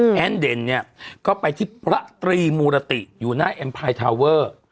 แล้วเนี่ยก็ไปที่พระตรีมูรติอยู่หน้าเอ็มไพร์ทาวเวอร์